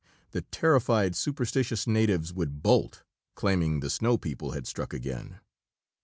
The terrified, superstitious natives would bolt, claiming the "snow people" had struck again.